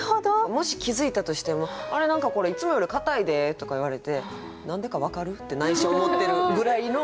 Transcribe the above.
もし気付いたとしても「あれ何かこれいつもより硬いで」とか言われて「何でか分かる？」って内心思ってるぐらいの。